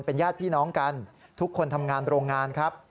เป็นญาติพี่น้องกันทุกคนทำงานโรงงานครับ